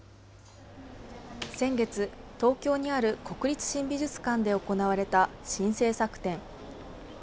先月、東京にある国立新美術館で行われた新制作展。